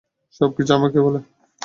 সবকিছুই আমাকে বলে।